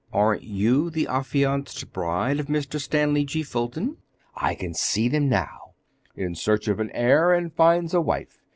Aren't you the affianced bride of Mr. Stanley G. Fulton? I can see them now: 'In Search of an Heir and Finds a Wife.